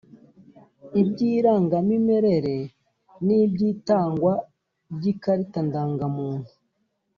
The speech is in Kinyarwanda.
iby’irangamimerere n’iby’itangwa ry’ikarita ndangamuntu